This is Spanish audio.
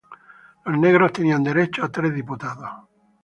Los negros tenían derecho a tres diputados.